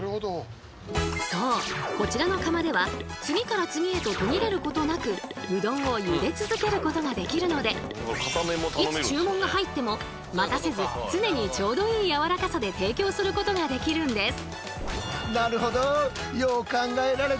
こちらの釜では次から次へと途切れることなくうどんを茹で続けることができるのでいつ注文が入っても待たせず常にちょうどいいやわらかさで提供することができるんです。